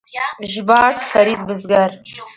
ژباړ: فرید بزګر